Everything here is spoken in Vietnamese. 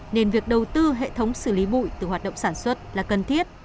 nên việc đầu tư hệ thống xử lý bụi từ hoạt động sản xuất là cần thiết